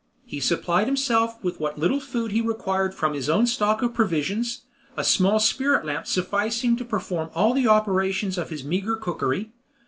He supplied himself with what little food he required from his own stock of provisions, a small spirit lamp sufficing to perform all the operations of his meager cookery.